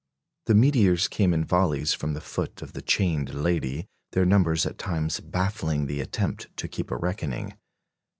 The meteors came in volleys from the foot of the Chained Lady, their numbers at times baffling the attempt to keep a reckoning.